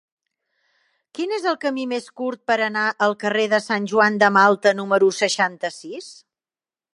Quin és el camí més curt per anar al carrer de Sant Joan de Malta número seixanta-sis?